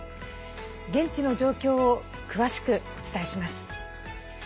現地の状況を詳しくお伝えします。